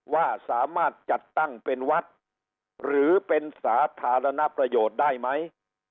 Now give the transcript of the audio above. ว่าสามารถจัดตั้งเป็นวัดหรือเป็นสาธารณประโยชน์ได้ไหม